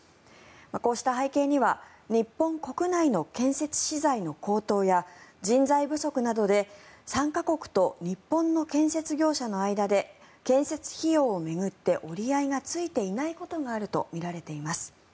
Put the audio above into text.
こうした背景には日本国内の建設資材の高騰や人材不足などで参加国と日本の建設業者の間で建設費用を巡って折り合いがついていないことがあるとみられています。